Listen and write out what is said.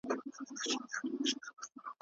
ډير ولور د ميني په وړاندي خنډونه ايجادولای سي.